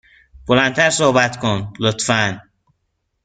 بلند تر صحبت کن، لطفا.